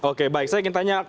oke baik saya ingin tanya